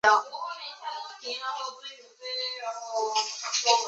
结怨甚多。